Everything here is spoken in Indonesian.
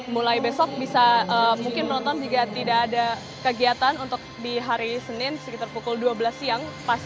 mulai besok bisa mungkin menonton jika tidak ada kegiatan untuk di hari senin sekitar pukul dua belas siang